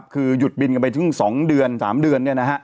คือหยุดบินกันไปถึง๒เดือน๓เดือน